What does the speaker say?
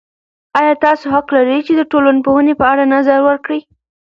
ایا تاسې حق لرئ چې د ټولنپوهنې په اړه نظر ورکړئ؟